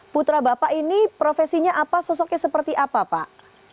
putra bapak ini profesinya apa sosoknya seperti apa pak